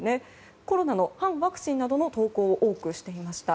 コロナの反ワクチンなどの投稿を多くしていました。